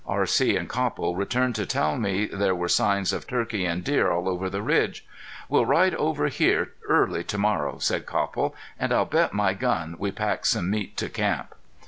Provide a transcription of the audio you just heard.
R.C. and Copple returned to tell me there were signs of turkeys and deer all over the ridge. "We'll ride over here early to morrow," said Copple, "an' I'll bet my gun we pack some meat to camp."